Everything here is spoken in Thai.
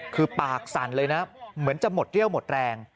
คือปากสั่นเลยนะเหมือนจะหมดเรี่ยวหมดแรง